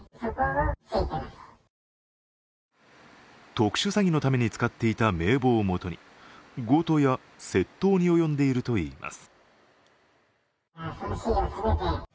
特殊詐欺のために使っていた名簿をもとに強盗や窃盗に及んでいるといいます。